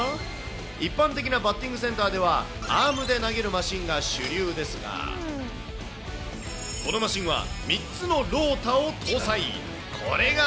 一般的なバッティングセンターでは、アームで投げるマシンが主流ですが、このマシンは、３つのロータを搭載。